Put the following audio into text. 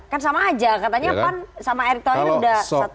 kan sama aja katanya pan sama erick thohir udah satu